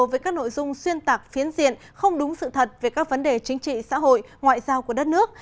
với các nội dung xuyên tạc phiến diện không đúng sự thật về các vấn đề chính trị xã hội ngoại giao của đất nước